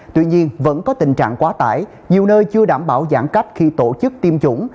tuy nhiên vẫn có tình trạng quá tải nhiều nơi chưa đảm bảo giãn cách khi tổ chức tiêm chủng